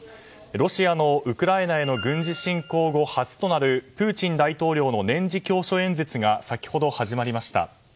ロシアのウクライナへの軍事侵攻後初となるプーチン大統領の年次教書演説が先ほど始まりました。